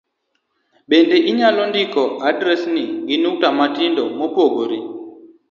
Bende inyalo ndiko adresni gi nukta matindo mopogore